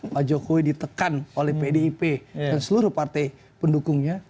pak jokowi ditekan oleh pdip dan seluruh partai pendukungnya